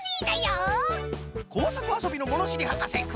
こうさくあそびのものしりはかせクラフトじゃ！